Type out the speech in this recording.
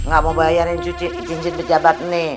gak mau bayarin cincin pejabat ini